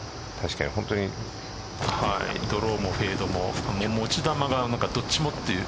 ドローもフェードも持ち玉がどっちもという。